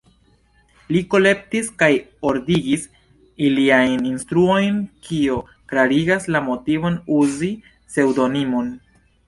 Li kolektis kaj ordigis iliajn instruojn, kio klarigas la motivon uzi pseŭdonimon.